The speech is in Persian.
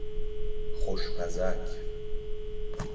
خوش بزک